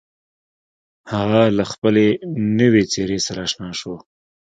هغه له خپلې نوې څېرې سره اشنا شو.